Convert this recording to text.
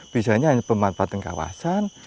bisanya hanya pemanfaatan kawasan